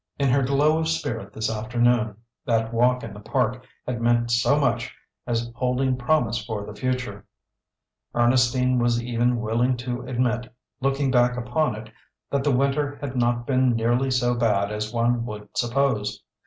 In her glow of spirit this afternoon that walk in the park had meant so much as holding promise for the future Ernestine was even willing to admit, looking back upon it, that the winter had not been nearly so bad as one would suppose.